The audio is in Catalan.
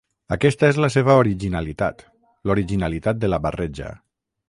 Aquesta és la seva originalitat, l’originalitat de la barreja.